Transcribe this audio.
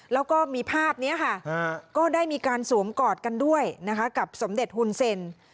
แล้วก็มีภาพนี้ค่ะก็ได้มีการสวมกอดกันด้วยนะคะกับสมเด็จฮุนเซ็น